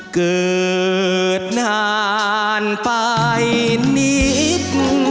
เกิดนานไปนิด